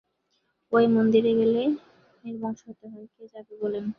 ঐ মন্দিরে গেলে নির্বংশ হতে হয়, কে যাবে বলেন?